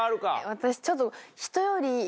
私ちょっと。